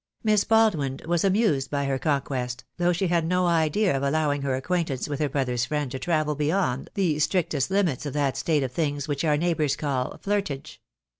Miss Baldwin was amused by her con quest, though she had no idea of allowing her acquaint ance with her brother's friend to travel beyond the strictest limits of that state of things which our neigh bours call "flirtage."